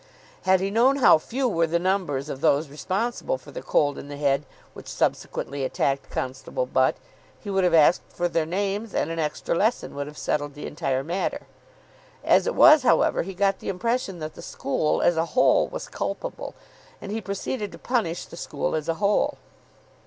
Had he known how few were the numbers of those responsible for the cold in the head which subsequently attacked Constable Butt, he would have asked for their names, and an extra lesson would have settled the entire matter. As it was, however, he got the impression that the school, as a whole, was culpable, and he proceeded to punish the school as a whole.